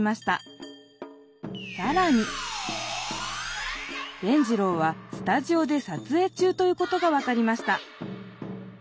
さらに伝じろうはスタジオでさつえい中ということが分かりました